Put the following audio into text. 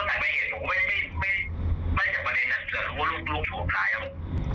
ไม่ไม่ไม่ไม่ได้จัดเกราะว่าลูกลูกถูกหลายแล้ว